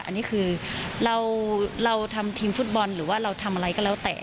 อันนี้คือเราทำทีมฟุตบอลหรือว่าเราทำอะไรก็แล้วแต่